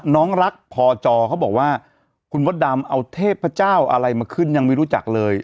น้องรักพอจอเขาบอกว่าคุณมดดำเอาเทพเจ้าอะไรมาขึ้นยังไม่รู้จักเลย